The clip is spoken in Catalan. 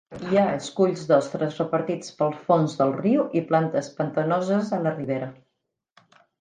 Hi ha esculls d'ostres repartits pel fons del riu i plantes pantanoses a la ribera.